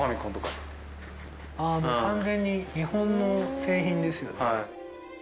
ああもう完全に日本の製品ですよね。